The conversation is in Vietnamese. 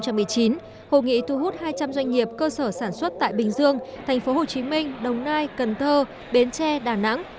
hội nghị thu hút hai trăm linh doanh nghiệp cơ sở sản xuất tại bình dương thành phố hồ chí minh đồng nai cần thơ bến tre đà nẵng